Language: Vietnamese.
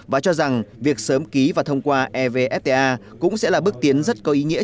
bà cho rằng việc sớm ký và thông qua evfta cũng sẽ là bước tiến rất có ý nghĩa